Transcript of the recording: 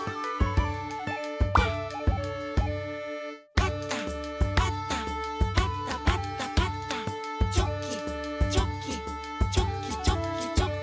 「パタパタパタパタパタ」「チョキチョキチョキチョキチョキ」